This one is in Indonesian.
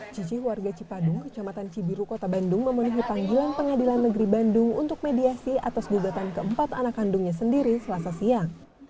cici warga cipadung kecamatan cibiru kota bandung memenuhi panggilan pengadilan negeri bandung untuk mediasi atas gugatan keempat anak kandungnya sendiri selasa siang